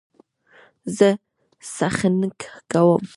زه څخنک کوم.